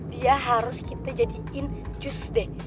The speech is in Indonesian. dia harus kita jadiin cus deh